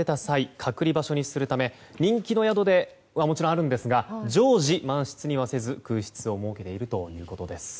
隔離場所にするため人気の宿ではもちろんあるんですが常時満室にはせず、空室を設けているということです。